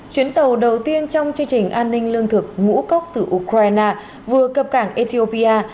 chuyến tàu đầu tiên trong chương trình an ninh lương thực ngũ cốc từ ukraine vừa cập cảng ethiopia